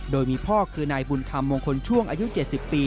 โดยมีพ่อคือนายบุญธรรมมงคลช่วงอายุ๗๐ปี